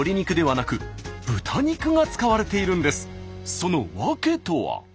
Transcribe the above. その訳とは？